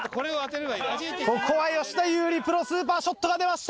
ここは吉田優利プロスーパーショットが出ました。